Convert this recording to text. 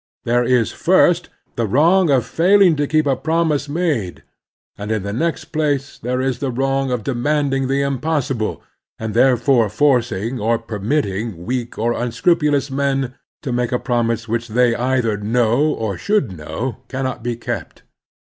There is, first, the wrong of fail ing to keep a promise made, and, in the next place, there is the wrong of demanding the impossible* The Labor Question 299 and therefore forcing or permitting weak or un scrupulous men to make a promise which they either know, or should know, cannot be kept.